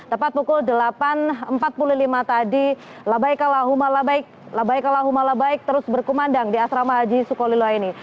tepat pukul delapan empat puluh lima tadi labaikalah humalabaik terus berkumandang di asrama haji sukolilo ini